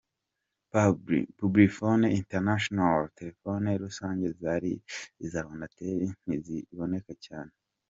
Publi-phone international” : Telefoni rusange zari iza rwandatel ntizikiboneka cyane.